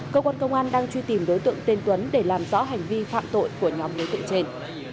cơ quan công an đang truy tìm đối tượng tên tuấn để làm rõ hành vi phạm tội của nhóm đối tượng trên